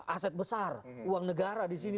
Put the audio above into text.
aset besar uang negara disini